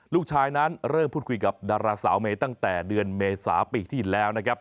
ลูกชายนั้นเริ่มพูดคุยกับดาราสาวเมย์ตั้งแต่เดือนเมษาปีที่แล้วนะครับ